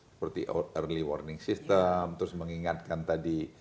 seperti early warning system terus mengingatkan tadi